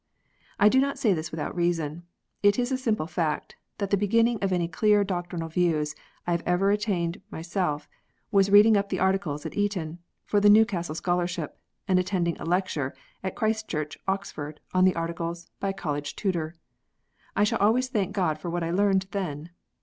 I do not say this without reason. It is a simple fact, that the beginning of any clear doctrinal views I have ever attained myself, was reading up the Articles at Eton, for the Newcastle Scholarship, and attending a lecture, at Christ Church, Oxford, on the Articles, by a college tutor. I shall always thank God for what I learned then.